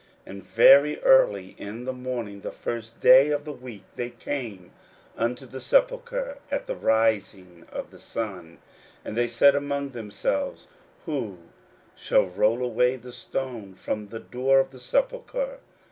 41:016:002 And very early in the morning the first day of the week, they came unto the sepulchre at the rising of the sun. 41:016:003 And they said among themselves, Who shall roll us away the stone from the door of the sepulchre?